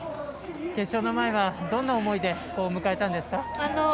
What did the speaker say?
決勝の前は、どんな思いで迎えたんですか？